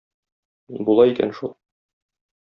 Була икән шул.